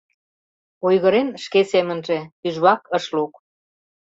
Ойгырен шке семынже, тӱжвак ыш лук.